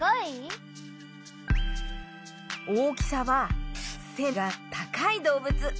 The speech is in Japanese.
大きさはせがたかいどうぶつ。